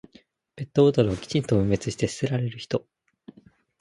ペットボトルをきちんと分別して捨てられる人。